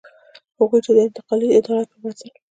هغوی چې د انتقالي عدالت پر بنسټ.